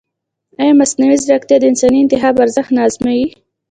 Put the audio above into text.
ایا مصنوعي ځیرکتیا د انساني انتخاب ارزښت نه ازموي؟